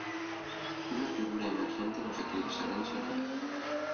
Una figura emergente nos eclipsará enseguida.